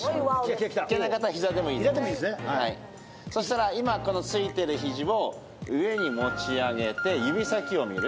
そしたら今突いてる肘を上に持ち上げて指先を見る。